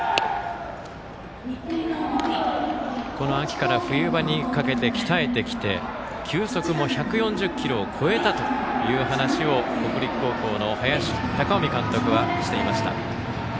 この秋から冬場にかけて鍛えてきて球速も１４０キロを超えたという話を北陸高校の林孝臣監督はしていました。